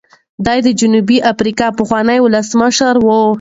دی د جنوبي افریقا پخوانی ولسمشر و.